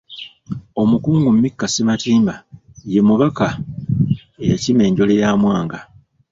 Omukungu Mika Ssematimba ye mubaka eyakima enjole ya Mwanga.